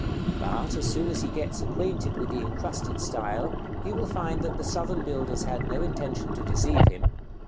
But, as soon as he gets acquainted with the incrusted style, he will find that the Southern builders had no intention to deceive him.